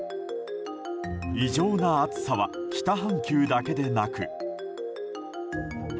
異常な暑さは北半球だけでなく。